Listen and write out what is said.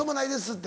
って。